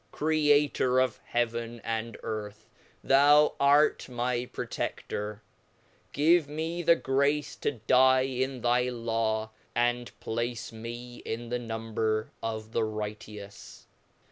Creator of Heaven and Earth, thou art my protedor, give me the grace to die in thy Law , and place me in the number of the righteous.